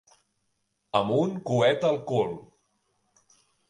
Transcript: Amb un coet al cul.